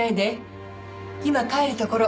今帰るところ。